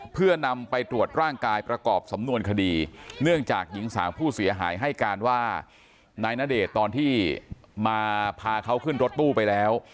เพื่อนำไปตรวจร่างกายประกอบสำนวนคดีเนื่องจากหญิงสาวผู้เสียหายให้การว่านายณเดชน์ตอนที่มาพาเขาขึ้นรถตู้ไปแล้ว